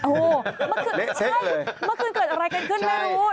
โอ้โหเมื่อคืนเกิดอะไรกันขึ้นไม่รู้